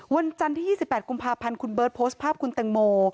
วันจันทร์ที่๒๘กุมภาพันธ์คุณเบิร์ตโพสต์ภาพคุณแตงโม